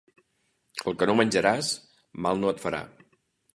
El que no menjaràs mal no et farà.